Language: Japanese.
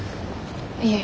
いえ。